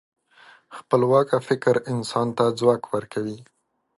خپلواکه فکر انسان ته ځواک ورکوي.